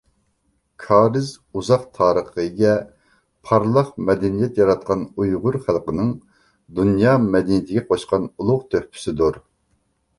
كارىز ئۇزاق تارىخقا ئىگە، پارلاق مەدەنىيەت ياراتقان ئۇيغۇر خەلقىنىڭ دۇنيا مەدەنىيىتىگە قوشقان ئۇلۇغ تۆھپىسىدۇر.